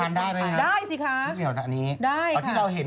ไม่เคยได้เห็น